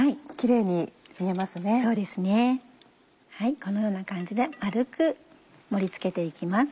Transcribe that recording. このような感じで丸く盛り付けて行きます。